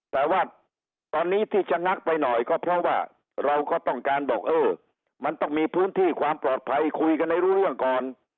แต่ว่าตอนนี้ที่จะงักไปหน่อยก็เพราะว่าเราก็ต้องการบอกเออมันต้องมีพื้นที่ความปลอดภัยคุยกันให้รู้เรื่องก่อน